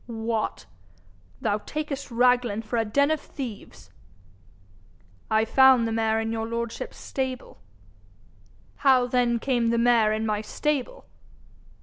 'What! thou takest Raglan for a den of thieves?' 'I found the mare in your lordship's stable.' 'How then came the mare in my stable?'